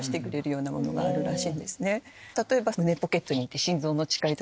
例えば。